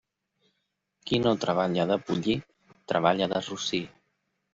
Qui no treballa de pollí, treballa de rossí.